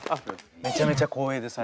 めちゃめちゃ光栄です。